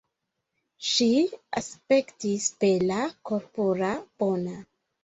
Ŝi aspektis bela, korpura, bona.